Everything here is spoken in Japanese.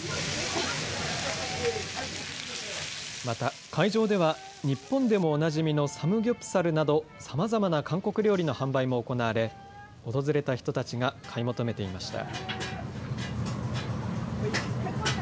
また、会場では日本でもおなじみのサムギョプサルなどさまざまな韓国料理の販売も行われ訪れた人たちが買い求めていました。